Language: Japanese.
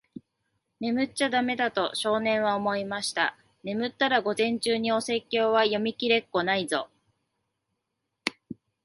「眠っちゃだめだ。」と、少年は思いました。「眠ったら、午前中にお説教は読みきれっこないぞ。」